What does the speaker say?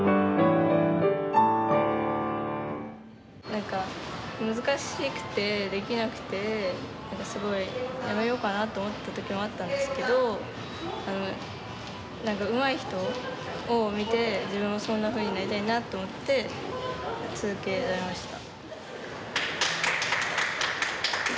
何か難しくてできなくてすごいやめようかなって思った時もあったんですけど何かうまい人を見て自分もそんなふうになりたいなと思って続けられました。